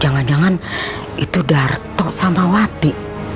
jangan jangan itu darto sama wati